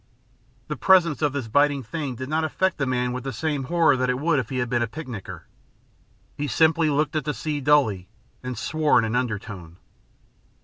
The presence of this biding thing did not affect the man with the same horror that it would if he had been a picnicker. He simply looked at the sea dully and swore in an undertone.